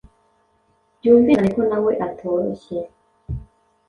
Byumvikane ko nawe atoroshye.